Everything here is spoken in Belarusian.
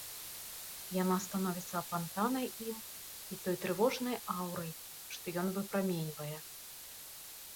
Яна становіцца апантанай ім і той трывожнай аўрай, што ён выпраменьвае.